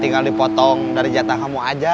tinggal dipotong dari jatah kamu aja